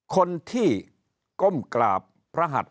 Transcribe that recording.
คนที่ก้มกราบพระหัด